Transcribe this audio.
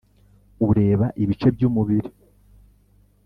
ureba ibice byumubiri.